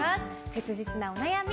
切実なお悩み